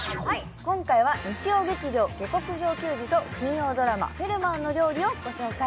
今回は日曜劇場「下剋上球児」と金曜ドラマ「フェルマーの料理」をご紹介。